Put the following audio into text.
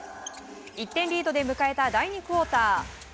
１点リードで迎えた第２クオーター。